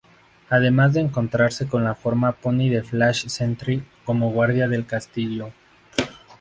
Además de encontrarse con la forma pony de Flash Sentry como guardia del castillo.